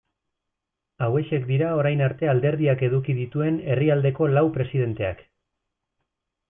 Hauexek dira orain arte alderdiak eduki dituen herrialdeko lau presidenteak.